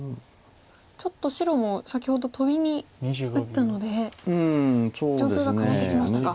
ちょっと白も先ほどトビに打ったので状況が変わってきましたか。